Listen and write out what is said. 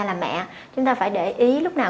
làm mẹ chúng ta phải để ý lúc nào